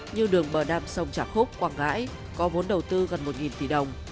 như đường bờ nam sông trà khúc quảng ngãi có vốn đầu tư gần một tỷ đồng